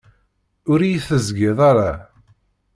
Ur iyi-tegzid ara.